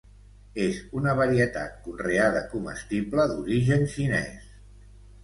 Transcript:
És una varietat conreada comestible d'origen xinès.